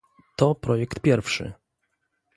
To projekt pierwszy